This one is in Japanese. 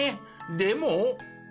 でも。